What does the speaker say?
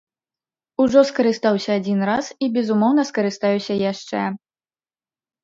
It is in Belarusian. Ужо скарыстаўся адзін раз і безумоўна скарыстаюся яшчэ.